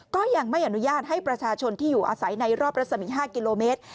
ก็ยังไม่อนุญาตให้ประชาชนที่อยู่อาศัยในรอบรัศมี๕กิโลเมตร